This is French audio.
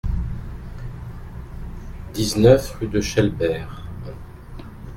dix-neuf rue de Chelbert